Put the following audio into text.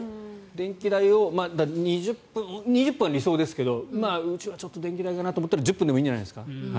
電気代を２０分２０分は理想ですがうちは電気代と思ったら１０分でもいいんじゃないですか。